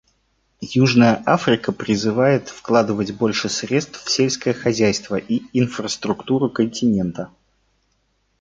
Южная Африка призывает вкладывать больше средств в сельское хозяйство и инфраструктуру континента.